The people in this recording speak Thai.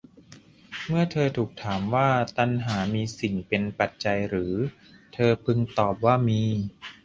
เมื่อเธอถูกถามว่า ตัณหามีสิ่งเป็นปัจจัยหรือ เธอพึงตอบว่ามี